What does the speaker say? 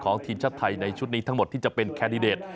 ทีมชาติไทยในชุดนี้ทั้งหมดที่จะเป็นแคนดิเดต